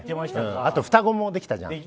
あと双子もできたじゃん。